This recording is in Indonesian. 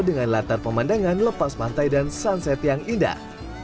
dengan latar pemandangan lepas pantai dan sunset yang indah